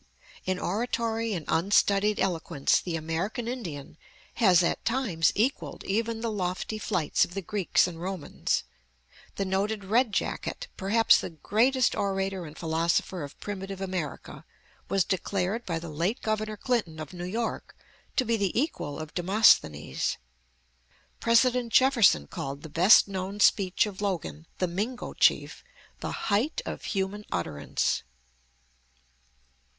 In oratory and unstudied eloquence the American Indian has at times equalled even the lofty flights of the Greeks and Romans. The noted Red jacket, perhaps the greatest orator and philosopher of primitive America, was declared by the late Governor Clinton of New York to be the equal of Demosthenes. President Jefferson called the best known speech of Logan, the Mingo chief, the "height of human utterance."